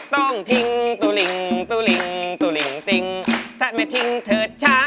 ต้องทิ้งตู้ลิงตู้ลิงตู้ลิงติ้งถ้าไม่ทิ้งเถิดช้า